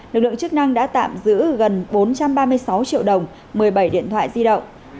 lực lượng chức năng đã tạm giữ gần bốn trăm ba mươi sáu triệu đồng một mươi bảy điện thoại di động